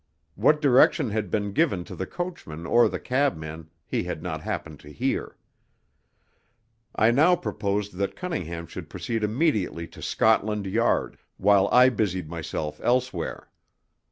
What direction had been given to the coachman or the cabman he had not happened to hear. I now proposed that Cunningham should proceed immediately to Scotland Yard, while I busied myself elsewhere.